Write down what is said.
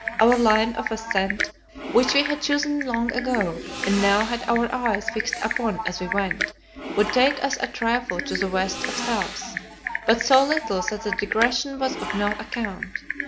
Our line of ascent, which we had chosen long ago and now had our eyes fixed upon as we went, would take us a trifle to the west of south, but so little that the digression was of no account.